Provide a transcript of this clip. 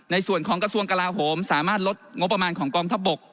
ในส่วนของกระทรวงกลาโหมสามารถลดงบประมาณของกองทัพบก